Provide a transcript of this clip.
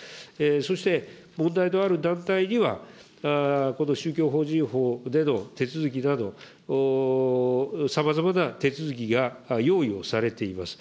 そして、問題のある団体には、この宗教法人法での手続きなど、さまざまな手続きが用意をされています。